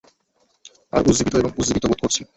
আর উজ্জীবিত এবং উত্তেজিত বোধ করছি।